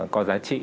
có giá trị